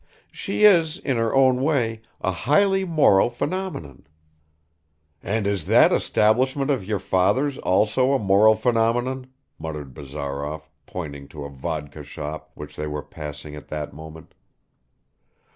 She is, in her own way, a highly moral phenomenon." "And is that establishment of your father's also a moral phenomenon?" muttered Bazarov, pointing to a vodka shop which they were passing at that moment.